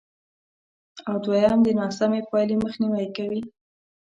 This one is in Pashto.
او دوېم د ناسمې پایلې مخنیوی کوي،